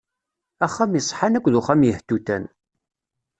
Axxam iṣeḥḥan akked uxxam yehtutan.